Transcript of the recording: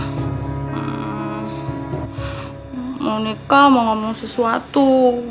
hmm monika mau ngomong sesuatu